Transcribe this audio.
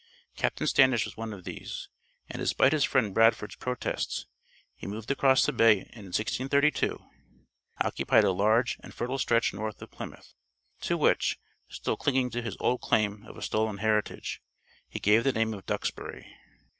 Captain Standish was one of these, and despite his friend Bradford's protests, he moved across the bay and in 1632 occupied a large and fertile stretch north of Plymouth, to which, still clinging to his old claim of a stolen heritage, he gave the name of Duxbury.